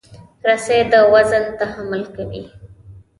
رسۍ د وزن تحمل کوي.